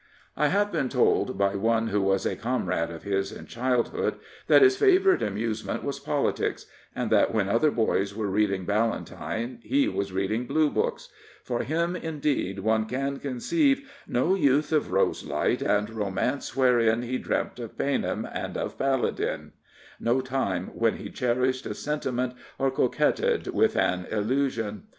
I have been told by one who was a comrade of his in childhood that his favourite amusement was politics, and that when other boys were reading Ballantyne he was reading Blue Books. For him, indeed, one can conceive no youth of roselight and romance wherein He dreamt of paynim and of paladin — no time when he cherished a sentiment or coquetted with an illusion.